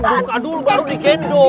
dibuka dulu baru digendong